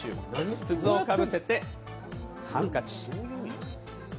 筒をかぶせてハンカチ。